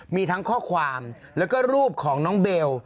มีทั้งข้อความแล้วก็รูปของน้องเบล